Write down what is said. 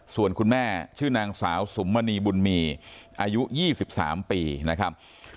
ส่วนคุณแม่ชื่อนางสาวสุมมณีบุญมีอายุ๒๓ปีนะครับ